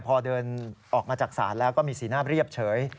พอเดินออกมาจากศาลแล้วก็มีสีหน้าเรียบเฉย